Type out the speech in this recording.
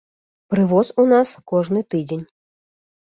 Прывоз у нас кожны тыдзень.